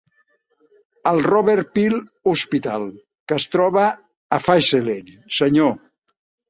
El Robert Peel Hospital, que es troba a Fazeley, senyor.